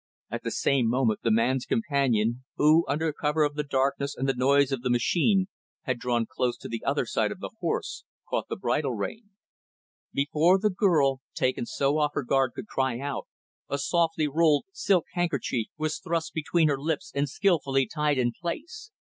At the same moment, the man's companion who, under cover of the darkness and the noise of the machine, had drawn close to the other side of the horse, caught the bridle rein. Before the girl, taken so off her guard could cry out, a softly rolled, silk handkerchief was thrust between her lips and skillfully tied in place.